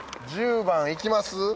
１０番行きます？